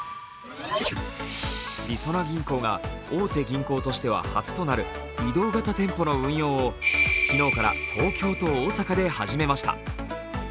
りそな銀行が大手銀行としては初となる移動型店舗の運用を昨日から東京と大阪で始めました。